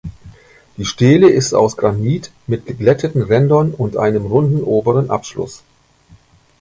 Die Stele ist aus Granit mit geglätteten Rändern und einem runden oberen Abschluss.